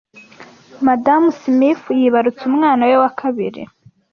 Madamu Smith yibarutse umwana we wa kabiri.